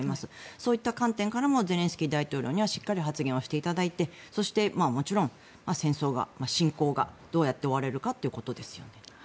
そういった観点からもゼレンスキー大統領にはしっかり発言をしていただいてそして、もちろん戦争が侵攻がどうやって終われるかということですよね。